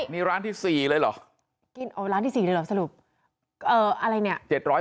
นี่ร้านที่๔เลยเหรอกินโอ้ร้านที่๔เลยเหรอสรุปอะไรเนี่ย